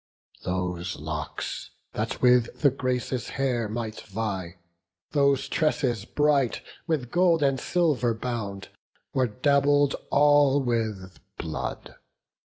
Those locks, that with the Graces' hair might vie, Those tresses bright, with gold and silver bound, Were dabbled all with blood.